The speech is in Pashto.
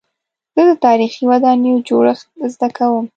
زه د تاریخي ودانیو جوړښت زده کوم.